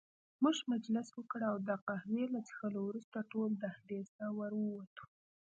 موږ مجلس وکړ او د قهوې له څښلو وروسته ټول دهلېز ته ور ووتو.